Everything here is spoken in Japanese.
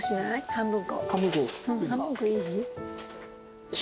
半分こいい？